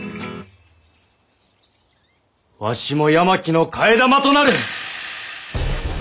わしも八巻の替え玉となる！